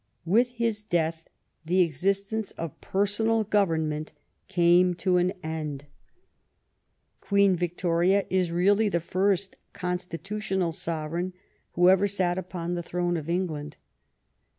With his death the existence of personal government came to an end. Queen 62 THE STORY OF GLADSTONE'S LIFE Victoria is really the first constitutional sovereign who ever sat upon the throne of England.